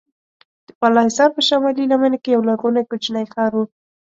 د بالاحصار په شمالي لمنه کې یو لرغونی کوچنی ښار و.